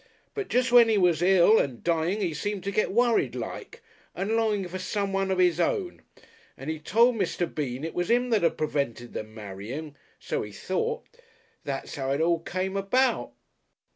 But jest when 'e was ill and dying 'e seemed to get worried like and longing for someone of 'is own. And 'e told Mr. Bean it was 'im that had prevented them marrying. So 'e thought. That's 'ow it all come about...."